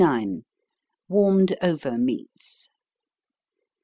_Warmed Over Meats.